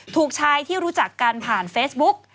ถูกชายที่รู้จักกันผ่านเฟซบุ๊ก